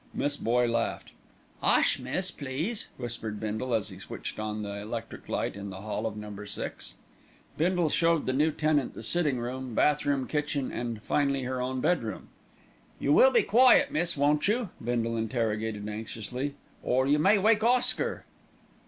Miss Boye laughed. "'Ush! miss, please," whispered Bindle as he switched on the electric light in the hall of Number Six. Bindle showed the new tenant the sitting room, bathroom, kitchen, and finally her own bedroom. "You will be quiet, miss, won't you?" Bindle interrogated anxiously, "or you may wake Oscar?"